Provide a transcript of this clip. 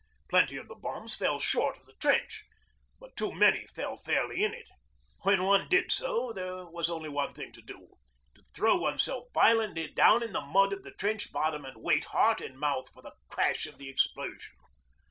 Plenty of the bombs fell short of the trench, but too many fell fairly in it. When one did so there was only one thing to do to throw oneself violently down in the mud of the trench bottom, and wait, heart in mouth, for the crash of the explosion.